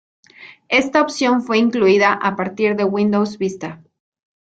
Esta opción fue incluida a partir de Windows Vista.